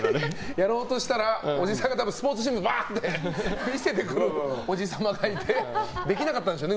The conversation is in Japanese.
やろうとしたらおじさんがスポーツ新聞をバンって見せてくるおじ様がいてできなかったんでしょうね。